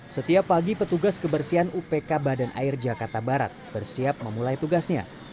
setiap pagi petugas kebersihan upk badan air jakarta barat bersiap memulai tugasnya